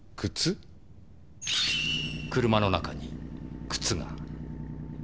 車の中に靴が。